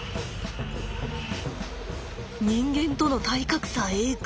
人間との体格差エグッ。